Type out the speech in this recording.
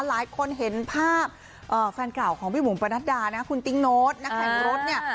หลายคนเห็นภาพแฟนเก่าของพี่บุ๋มประนัดดานะคุณติ๊งโน้ตนักแข่งรถเนี่ย